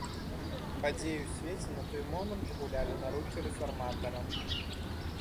Падзеі ў свеце на той момант гулялі на рукі рэфарматарам.